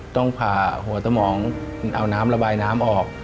ต้องผ่าหัวสมองเอาน้ำระบายน้ำออก